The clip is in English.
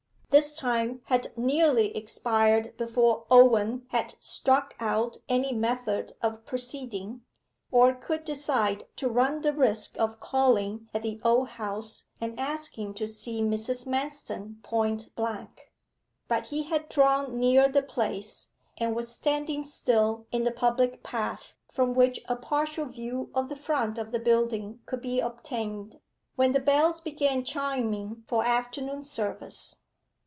This time had nearly expired before Owen had struck out any method of proceeding, or could decide to run the risk of calling at the Old House and asking to see Mrs. Manston point blank. But he had drawn near the place, and was standing still in the public path, from which a partial view of the front of the building could be obtained, when the bells began chiming for afternoon service.